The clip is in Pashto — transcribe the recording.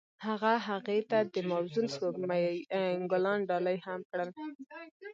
هغه هغې ته د موزون سپوږمۍ ګلان ډالۍ هم کړل.